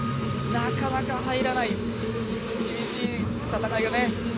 なかなか入らなくて厳しい戦いがね。